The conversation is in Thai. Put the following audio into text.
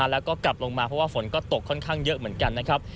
แล้วก็กลับลงมาเพราะว่าฝนก็ตกค่อนข้างเยอะเหมือนกันนะครับ